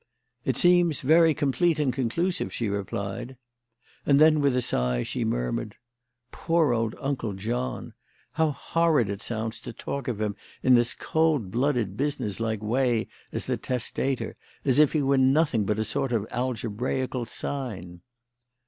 "It seems very complete and conclusive," she replied. And then, with a sigh, she murmured: "Poor old Uncle John! How horrid it sounds to talk of him in this cold blooded, business like way, as 'the testator,' as if he were nothing but a sort of algebraical sign."